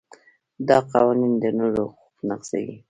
دا قوانین د نورو حقوق نقضوي.